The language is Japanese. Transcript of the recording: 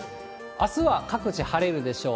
あすは各地晴れるでしょう。